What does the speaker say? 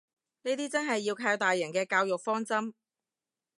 呢啲真係要靠大人嘅教育方針